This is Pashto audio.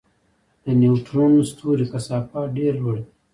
د نیوټرون ستوري کثافت ډېر لوړ دی.